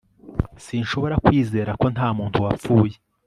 Sinshobora kwizera ko nta muntu wapfuye